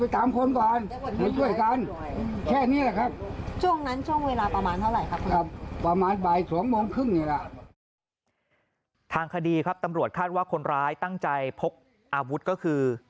ทางคดีครับตำรวจคาดว่าคนร้ายตั้งใจพกอาวุธก็คือ